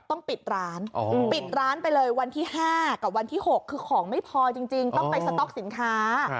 ต้องปิดร้านปิดร้านไปเลยวันที่๕กับวันที่๖คือของไม่พอจริงต้องไปสต๊อกสินค้า